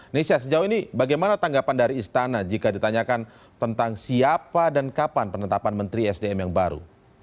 nesya sejauh ini bagaimana tanggapan dari istana jika ditanyakan tentang siapa dan kapan penetapan menteri sdm yang baru